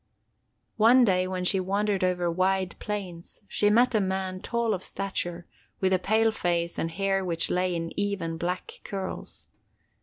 One day, when she wandered over wide plains, she met a man tall of stature, with a pale face and hair which lay in even, black curls.